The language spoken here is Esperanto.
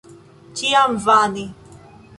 Ĉiam vane.